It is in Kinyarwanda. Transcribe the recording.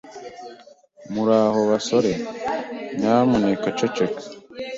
Muraho basore, nyamuneka ceceka.